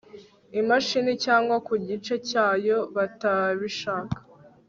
imashini cyangwa ku gice cyayo batabishaka